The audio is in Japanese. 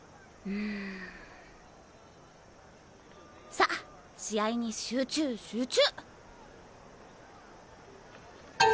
さ試合に集中集中！